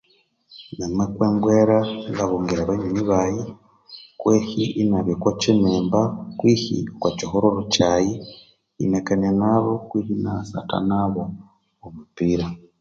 Namakwa embwera ngabungira abanyoni baghe kwehi inabya okokinimba kwihi okokihiruru kyaghe inakania nabo kwitsi inasatha nabo omupira